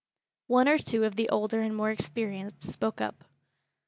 One or two of the older and more experienced spoke up.